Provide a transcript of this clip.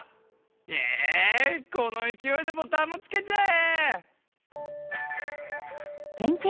えいこのいきおいでボタンもつけちゃえ！